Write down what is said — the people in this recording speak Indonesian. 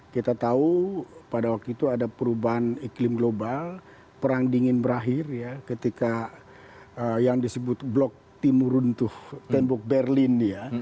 kita tahu pada waktu itu ada perubahan iklim global perang dingin berakhir ya ketika yang disebut blok timur runtuh tembok berlin ya